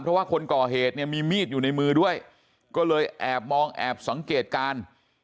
เพราะว่าคนก่อเหตุเนี่ยมีมีดอยู่ในมือด้วยก็เลยแอบมองแอบสังเกตการ